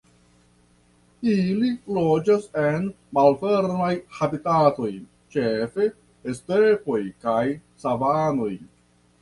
Ili loĝas en malfermaj habitatoj, ĉefe stepoj kaj savanoj.